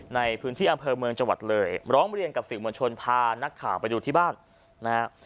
ในพื้นที่อำเภอเมืองจังหวัดเลยร้องเรียนกับสื่อมวลชนพานักข่าวไปดูที่บ้านนะฮะ